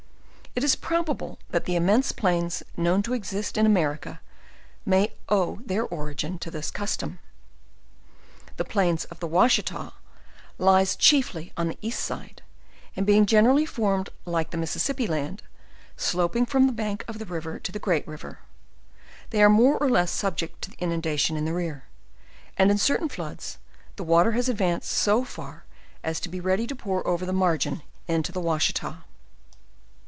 It is probable that the immense plains known to exist in A merica, may owe their origin to this custom. The plains of the Washitalies chiefly on the east side, and being general ly formed like the Mississippi land, sloping from the bank of the river to the great river, they are more or less subject to inundation in the rear; and in certain great floods the water has advanced so far as to be ready to pour over the margin into the Washita.